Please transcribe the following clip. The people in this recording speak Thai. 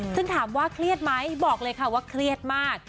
ซึ่งถามว่าเครียดไหมบอกเลยค่ะว่าเครียดมาก